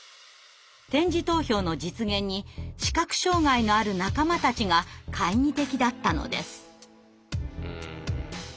点字投票の実現に視覚障害のある仲間たちが懐疑的だったのです。